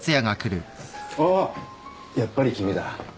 あっやっぱり君だ。